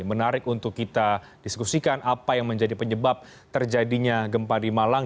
menarik untuk kita diskusikan apa yang menjadi penyebab terjadinya gempa di malang